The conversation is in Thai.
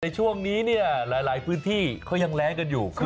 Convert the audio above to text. ช่วงนี้เนี่ยหลายพื้นที่เขายังแรงกันอยู่